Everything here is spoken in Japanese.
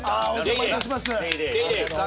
お邪魔いたします。